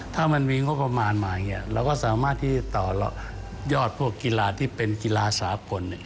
ถ้ามันมีงบประมาณมาอย่างนี้เราก็สามารถที่ต่อยอดพวกกีฬาที่เป็นกีฬาสากล